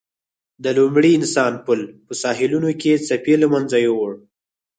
د لومړي انسان پل په ساحلونو کې څپې له منځه یووړ.